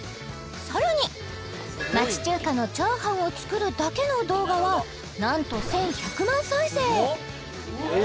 さらに町中華のチャーハンを作るだけの動画はなんと１１００万再生